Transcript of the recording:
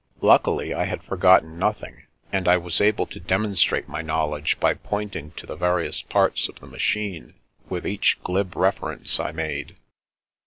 Luckily, I had forgotten nothing, and I was able to demonstrate my knowledge by pointing to the vari ous parts of the machine with each glib reference I made.